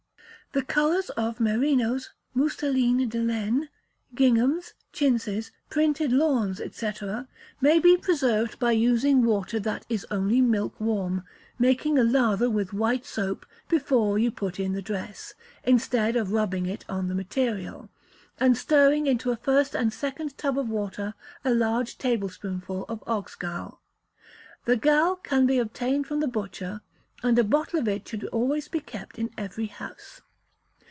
The colours of merinos, mousseline de laines, ginghams, chintzes, printed lawns, &c., may be preserved by using water that is only milk warm; making a lather with white soap, before you put in the dress, instead of rubbing it on the material; and stirring into a first and second tub of water a large tablespoonful of oxgall. The gall can be obtained from the butcher, and a bottle of it should always be kept in every house.